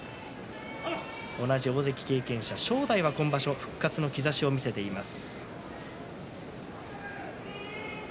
同じ大関経験者の正代は今場所復活の兆しを見せています。